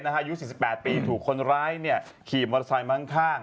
อายุ๔๘ปีถูกคนร้ายขี่มอเตอร์ไซค์มาข้าง